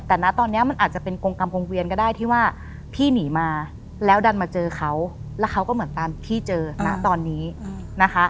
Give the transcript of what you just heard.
แต่นะตอนนี้มันอาจจะเป็นกรงกรรมวงเวียนก็ได้ที่ว่าพี่หนีมาแล้วดันมาเจอเขาแล้วเขาก็เหมือนตามพี่เจอณตอนนี้นะคะ